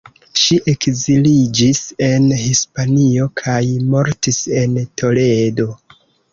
Ŝi ekziliĝis en Hispanio kaj mortis en Toledo.